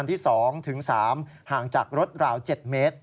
ที่๒ถึง๓ห่างจากรถราว๗เมตร